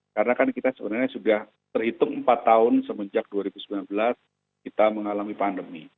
karena kan kita sebenarnya sudah terhitung empat tahun semenjak dua ribu sembilan belas kita mengalami pandemi